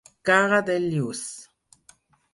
Cara de lluç.